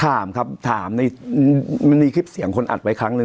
ถามครับถามในมันมีคลิปเสียงคนอัดไว้ครั้งหนึ่ง